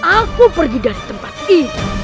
aku pergi dari tempat ini